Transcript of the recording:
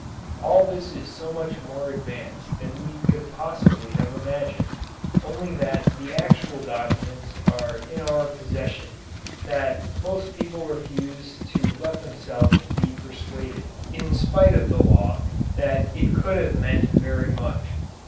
All this is so much more advanced than we could possibly have imagined, only that the actual documents are in our possession, that most people refuse to let themselves be persuaded in spite of the law that it could have meant very much.